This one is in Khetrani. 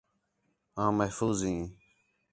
آں محفوظ ھیں